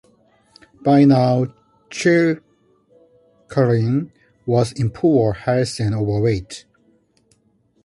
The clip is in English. By now, Chicherin was in poor health and overweight.